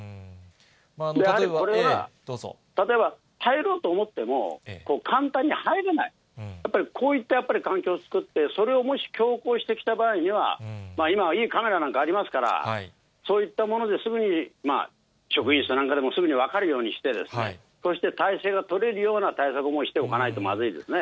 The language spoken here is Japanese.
やはりこれは、例えば入ろうと思っても、簡単に入れない、やっぱりこういったやっぱり環境を作って、それをもし強行してきた場合には、今はいいカメラなんかありますから、そういったものですぐに職員室なんかでもすぐに分かるようにしてですね、そして態勢が取れるような対策をしておかないとまずいですね。